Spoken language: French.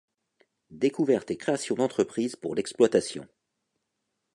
Découvertes et créations d’entreprises pour l’exploitation.